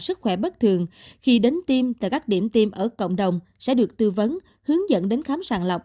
sức khỏe bất thường khi đến tiêm tại các điểm tiêm ở cộng đồng sẽ được tư vấn hướng dẫn đến khám sàng lọc